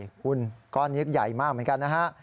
คุณก้อนนี้ใหญ่มากเหมือนกันนะฮะ